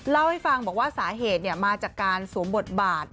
เล่าให้ฟังบอกว่าสาเหตุมาจากการสวมบทบาท